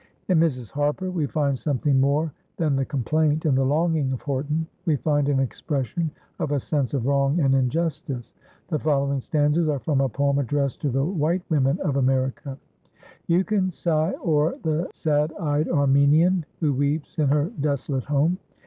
In Mrs. Harper we find something more than the complaint and the longing of Horton. We find an expression of a sense of wrong and injustice. The following stanzas are from a poem addressed to the white women of America: "You can sigh o'er the sad eyed Armenian Who weeps in her desolate home.